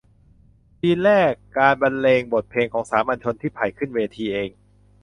ซีนแรก การบรรเลงบทเพลงของสามัญชน ที่ไผ่ขึ้นเวทีเอง